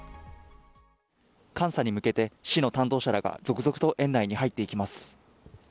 監査に向けて市の担当者らが続々と園内に入っていきます。